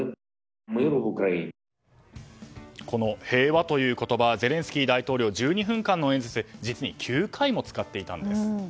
平和という言葉ゼレンスキー大統領は１２分間の演説で実に９回も使っていたんです。